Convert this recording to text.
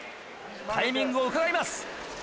タイミングをうかがいます。